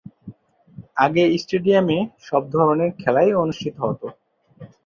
আগে স্টেডিয়ামে সব ধরনের খেলাই অনুষ্ঠিত হত।